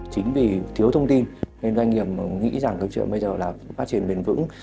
chính vì thiếu thông tin doanh nghiệp nghĩ rằng cơ trợ bây giờ là phát triển bền vững